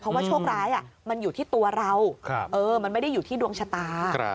เพราะว่าโชคร้ายมันอยู่ที่ตัวเรามันไม่ได้อยู่ที่ดวงชะตา